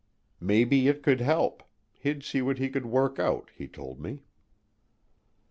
Maybe it could help he'd see what he could work out, he told me.